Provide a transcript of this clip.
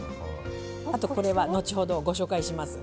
これは後ほどご紹介します